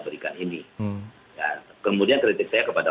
berikan ini kemudian kritik saya kepada